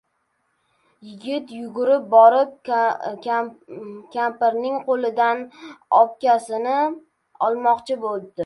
— Yigit yugurib borib kampirning qo‘lidan obkashni olmoqchi bo‘libdi.